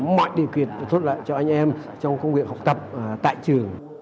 mọi điều kiện thuất lại cho anh em trong công việc học tập tại trường